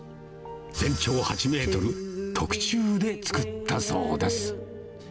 全長８メートル、特注で作ったそうです。